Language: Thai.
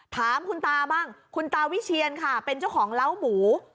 ถามคุณตาบ้างคุณตาวิเชียนค่ะเป็นเจ้าของเล้าหมู